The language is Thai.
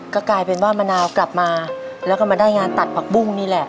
ก็กลายเป็นว่ามะนาวกลับมาแล้วก็มาได้งานตัดผักบุ้งนี่แหละ